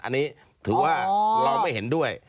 อันนี้ถือว่าเราไม่เห็นด้วย